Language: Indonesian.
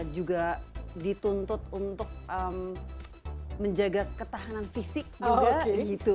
juga dituntut untuk menjaga ketahanan fisik juga gitu